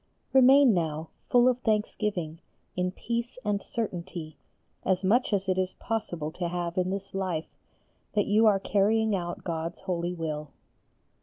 Remain now full of thanksgiving in peace and certainty, as much as it is possible to have in this life, that you are carrying out God's holy will.